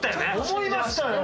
思いましたよ。